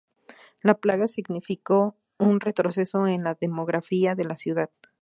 La plaga significó un retroceso en la demografía de la ciudad.